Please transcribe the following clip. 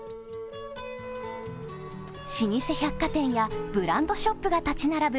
老舗百貨店やブランドショップが立ち並ぶ